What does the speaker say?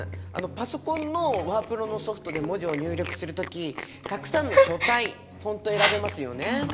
パソコンのワープロのソフトで文字を入力する時たくさんの書体フォント選べますよね。